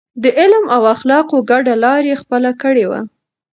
د علم او اخلاقو ګډه لار يې خپله کړې وه.